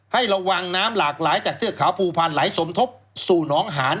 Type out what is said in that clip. ให้ระวังน้ำหลากหลายจากเทือกเขาภูพันธ์ไหลสมทบสู่หนองหาน